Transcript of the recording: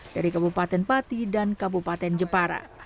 dari kabupaten pati dan kabupaten jepara